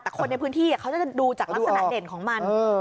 แต่คนในพื้นที่เขาจะดูจากลักษณะเด่นของมัน